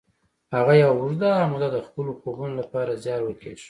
هغه یوه اوږده موده د خپلو خوبونو لپاره زیار وکیښ